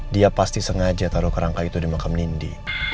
dia pasti sengaja taruh kerangka itu di makam nindi